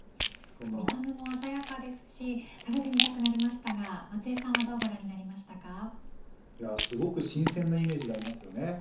見た目も鮮やかですし食べてみたくなりましたが松江さんはすごく新鮮なイメージがありますよね。